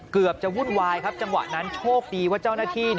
เกือบจะวุ่นวายครับจังหวะนั้นโชคดีว่าเจ้าหน้าที่